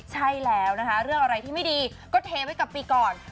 ใช่แล้วนะคะเรื่องอะไรที่ไม่ดีก็เทไว้กับปีก่อน